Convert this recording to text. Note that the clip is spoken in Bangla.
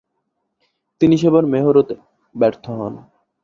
তিনি সেবার মেয়র হতে ব্যর্থ হন।